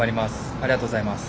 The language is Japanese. ありがとうございます。